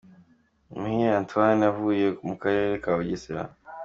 Muhire Antoine yavukiye mu karere ka Bugesera.